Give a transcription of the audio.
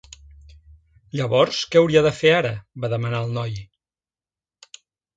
"Llavors què hauria de fer ara?", va demanar el noi.